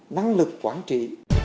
năng lực quản trị